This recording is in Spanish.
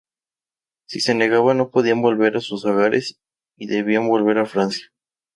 Si se negaban, no podían volver a sus hogares y debían volver a Francia.